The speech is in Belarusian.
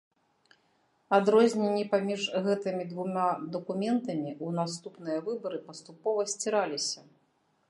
Адрозненні паміж гэтымі двума дакументамі ў наступныя выбары паступова сціраліся.